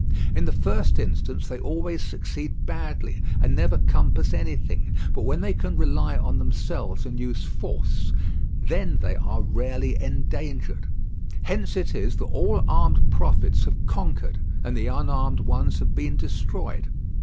In the first instance they always succeed badly, and never compass anything; but when they can rely on themselves and use force, then they are rarely endangered. Hence it is that all armed prophets have conquered, and the unarmed ones have been destroyed.